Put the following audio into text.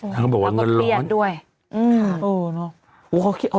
เขาก็บอกว่าเงินร้อนอืมเออเนอะ